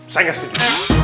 saya gak setuju